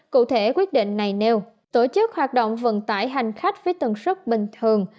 cụ thể quyết định này nêu tổ chức hoạt động vận tải hành khách với tầng sức bình thường